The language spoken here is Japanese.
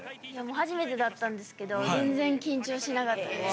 初めてだったんですけど全然緊張しなかったです。